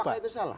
apakah itu salah